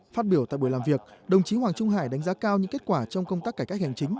phát biểu tại buổi làm việc đồng chí hoàng trung hải đánh giá cao những kết quả trong công tác cải cách hành chính